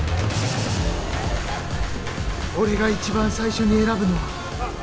俺が一番最初に選ぶのは